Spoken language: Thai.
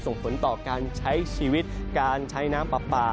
ส่งผลต่อการใช้ชีวิตการใช้น้ำปลา